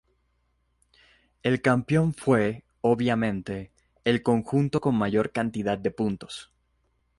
El campeón fue, obviamente, el conjunto con mayor cantidad de puntos.